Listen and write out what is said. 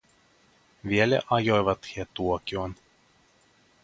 Vielä ajoivat he tuokion.